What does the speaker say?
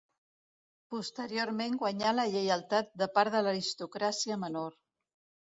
Posteriorment guanyà la lleialtat de part de l'aristocràcia menor.